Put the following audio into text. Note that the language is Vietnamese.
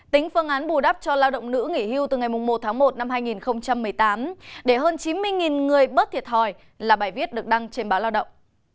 tính phương án bù đắp cho lao động nữ nghỉ hưu từ ngày một tháng một năm hai nghìn một mươi tám để hơn chín mươi người bớt thiệt thòi là bài viết được đăng trên báo lao động